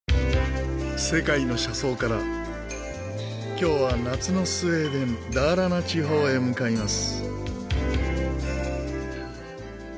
今日は夏のスウェーデンダーラナ地方へ向かいます。